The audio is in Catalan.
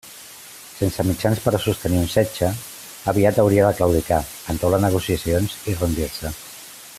Sense mitjans per a sostenir un setge, aviat hauria de claudicar, entaular negociacions i rendir-se.